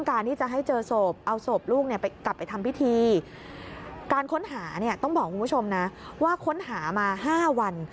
การที่จะให้เจอศพเอาศพลูกเนี่ยกลับไปทำพิธีการค้นหาเนี่ยต้องบอกคุณผู้ชมนะว่าค้นหามา๕วัน